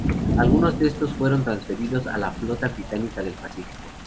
Algunos de estos fueron transferidos a la Flota Británica del Pacífico.